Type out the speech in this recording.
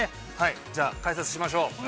じゃあ解説しましょう。